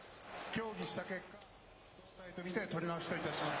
協議した結果、同体と見て、取り直しといたします。